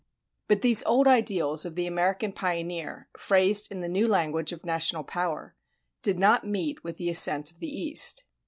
But these old ideals of the American pioneer, phrased in the new language of national power, did not meet with the assent of the East.